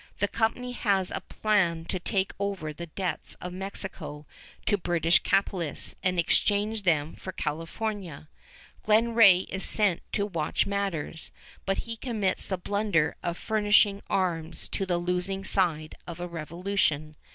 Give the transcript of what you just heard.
The company has a plan to take over the debts of Mexico to British capitalists and exchange them for California. Glen Rae is sent to watch matters, but he commits the blunder of furnishing arms to the losing side of a revolution.